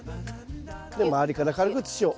で周りから軽く土を。